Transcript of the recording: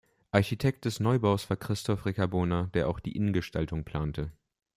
Architekt des Neubaus war Christof Riccabona, der auch die Innengestaltung plante.